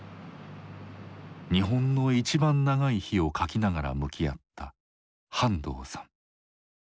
「日本のいちばん長い日」を書きながら向き合った半藤さん。